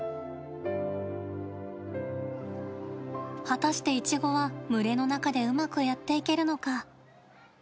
果たしてイチゴは群れの中でうまくやっていけるのか。